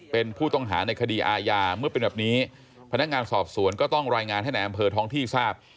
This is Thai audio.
เป็นผู้ต้องหาในคดีอาญาเมื่อเป็นแบบนี้พนักงานสอบสวนก็ต้องรายงานให้ในอำเภอท้องที่ทราบ